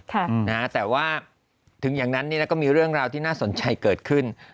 แต่ว่าถึงอย่างนั้นเนี่ยก็มีเรื่องราวที่น่าสนใจเกิดขึ้น